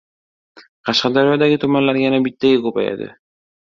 Qashqadaryodagi tumanlar yana bittaga ko‘payadi